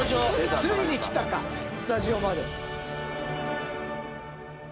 ついに来たかスタジオまで。